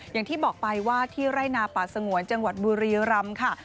อย่างที่บอกไปว่าที่ไร่นาป่าสงวนจังหวัดบุรีรำค่ะ